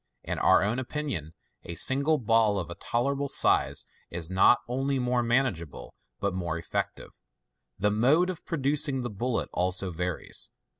In our own opinion, a single ball of tolerable size is not only more manageable, but more effective. The mode of producing the bullet also varies.